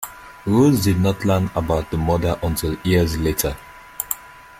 Rose did not learn about the murder until years later.